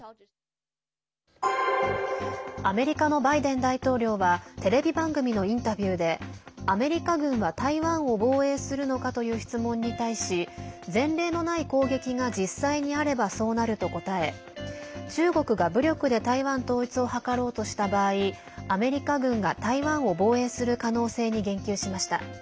アメリカのバイデン大統領はテレビ番組のインタビューでアメリカ軍は台湾を防衛するのか？という質問に対し前例のない攻撃が実際にあればそうなると答え中国が武力で台湾統一をはかろうとした場合アメリカ軍が、台湾を防衛する可能性に言及しました。